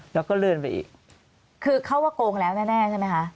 แล้วก็เลื่อนไปอีกคือเข้าว่าโกงแล้วแน่แน่ใช่ไหมคะ